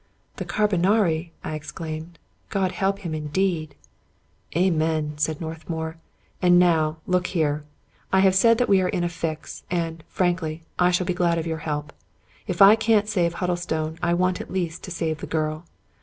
" The carbonari! " I exclaimed ;" God help him indeed I "" Amen !" said Northmour. " And now, look here : I have said that we are in a fix; and, frankly, I shall be glad of your help. If I can't save Huddlestone, I want at least to save the girl.